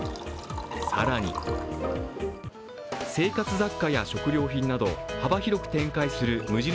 更に生活雑貨や食料品など幅広く展開する無印